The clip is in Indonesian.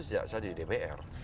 sejak saya jadi dpr